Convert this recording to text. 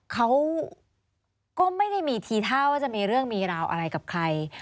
เขาก็ไม่ได้มีทีท่าว่าจะมีเรื่องมีราวอะไรกับใคร